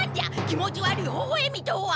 気持ち悪いほほえみとは！